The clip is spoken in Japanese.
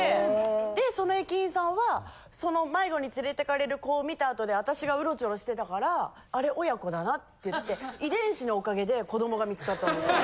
でその駅員さんはその迷子に連れてかれる子を見た後で私がウロチョロしてたから「あれ親子だな」って言って遺伝子のおかげで子どもが見つかったんですよ。